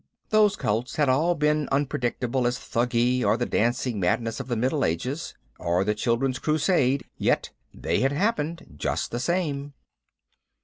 Those cults had all been as unpredictable as Thuggee or the Dancing Madness of the Middle Ages or the Children's Crusade, yet they had happened just the same.